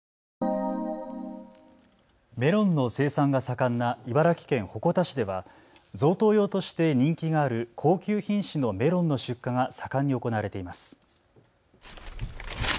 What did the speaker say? メロンの生産が盛んな茨城県鉾田市では贈答用として人気がある高級品種のメロンの出荷が盛んに行われています。